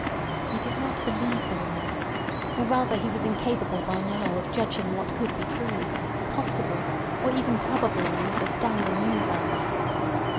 He did not believe the woman, or rather he was incapable by now of judging what could be true, possible, or even probable in this astounding universe.